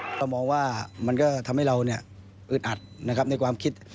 เรามองว่ามันก็ทำให้เราอึดอัดนะครับในความคิด